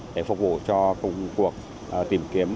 để phục vụ cho công cuộc tìm kiếm